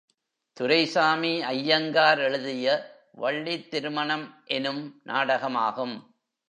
துரைசாமி ஐயங்கார் எழுதிய வள்ளித் திருமணம் எனும் நாடகமாகும்.